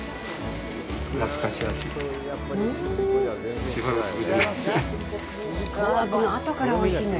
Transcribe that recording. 懐かしい味。